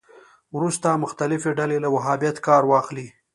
وروسته مختلفې ډلې له وهابیت کار واخلي